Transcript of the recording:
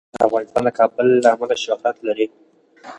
افغانستان د کابل له امله شهرت لري.